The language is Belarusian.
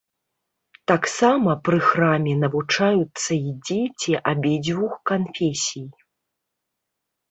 Таксама пры храме навучаюцца і дзеці абедзвюх канфесій.